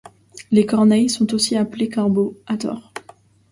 Les corneilles sont aussi appelées corbeaux, à tort.